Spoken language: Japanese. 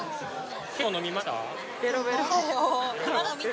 結構飲みました？